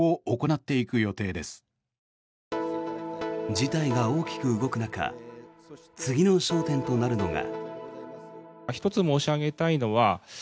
事態が大きく動く中次の焦点となるのが。